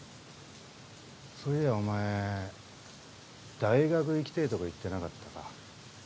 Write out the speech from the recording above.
そういやお前大学行きてえとか言ってなかったか？